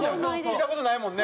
見た事ないもんね。